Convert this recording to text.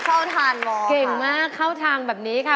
เข้าทางมองเก่งมากเข้าทางแบบนี้ค่ะ